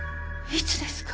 いつですか？